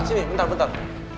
sini bentar bentar